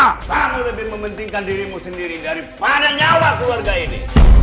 harus lebih mementingkan dirimu sendiri daripada nyawa keluarga ini